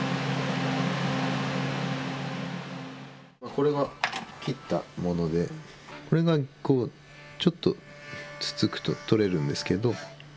これが切ったもので、これがちょっとつつくと、取れるんですけど。